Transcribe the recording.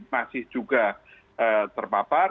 masih juga terpapar